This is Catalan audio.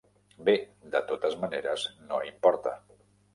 Bé, de totes maneres, no importa.